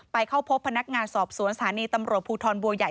เข้าพบพนักงานสอบสวนสถานีตำรวจภูทรบัวใหญ่